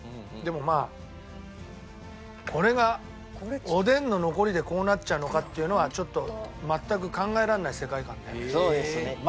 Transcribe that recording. でもまあこれがおでんの残りでこうなっちゃうのかっていうのはちょっと全く考えられない世界観だよね。